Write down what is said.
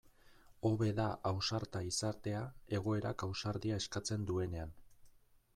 Hobe da ausarta izatea egoerak ausardia eskatzen duenean.